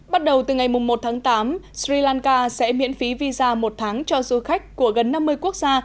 bắt đầu từ ngày một tháng tám sri lanka sẽ miễn phí visa một tháng cho du khách của gần năm mươi quốc gia